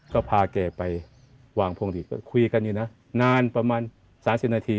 ก็พาแกไปวางพวงหลีดก็คุยกันอยู่นะนานประมาณ๓๐นาที